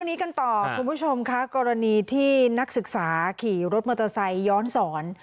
วันนี้กันต่อคุณผู้ชมค่ะกรณีที่นักศึกษาขี่รถมอเตอร์ไซค์ย้อนสอน